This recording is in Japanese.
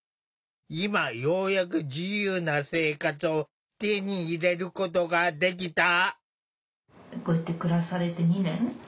今ようやく自由な生活を手に入れることができた。